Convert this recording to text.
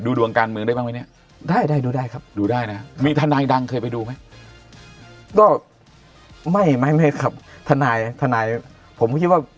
ดูดวงการเมืองได้บ้างไหมเนี่ยได้ดูได้ครับดูได้นะมีธนายดังเคยไปดูไหม